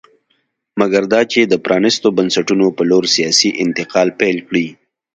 مګر دا چې د پرانېستو بنسټونو په لور سیاسي انتقال پیل کړي